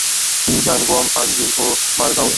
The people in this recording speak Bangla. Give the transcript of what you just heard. তিনি যান গোয়ার পাঞ্জিম ও মারগাঁওয়ে।